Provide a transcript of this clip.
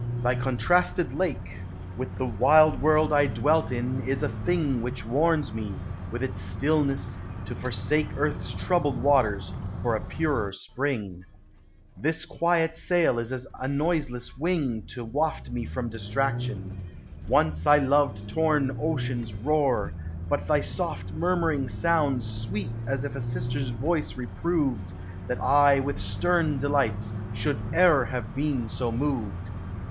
thy contrasted lake, With the wild world 1 dwell .... is;, thing Which warns tne, will, its stillness, to I Earth's troubled waters for a purer spring. 212 POEMS OF NATURE. This quiet sail is as a noiseless wing To waft me from distraction; once I loved Torn ocean's roar, but th} T soft murmuring Sounds sweet as if a sister's voice reproved, That I with stern delights should e'er have been so moved.